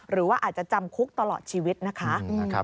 หรือว่าอาจจะจำคุกตลอดชีวิตนะคะ